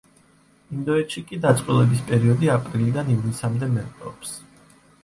ინდოეთში კი დაწყვილების პერიოდი აპრილიდან ივნისამდე მერყეობს.